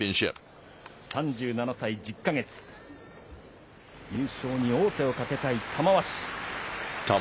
３７歳１０か月、優勝に王手をかけたい玉鷲。